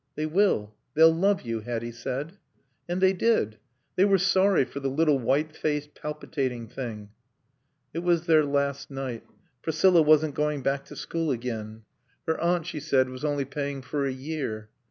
"They will. They'll love you," Hatty said. And they did. They were sorry for the little white faced, palpitating thing. It was their last night. Priscilla wasn't going back to school again. Her aunt, she said, was only paying for a year.